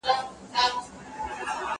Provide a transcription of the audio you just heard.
بازار ته ولاړ سه!.